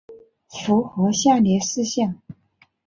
符合下列事项